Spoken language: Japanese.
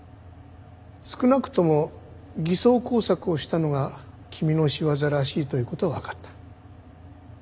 少なくとも偽装工作をしたのが君の仕業らしいという事はわかった。